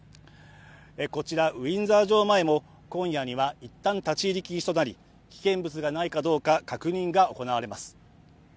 こちらウィンザー城前も今夜には一旦立ち入り禁止となり、危険物がないかどうか確認が行われます。